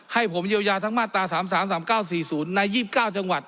ให้ผมเยียวยาทั้งมาตรา๓๓๙๔๐ใน๒๙จังหวัด